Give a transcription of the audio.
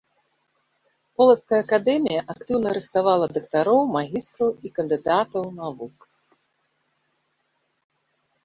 Полацкая акадэмія актыўна рыхтавала дактароў, магістраў і кандыдатаў навук.